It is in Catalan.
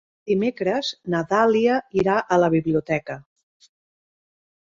Dimecres na Dàlia irà a la biblioteca.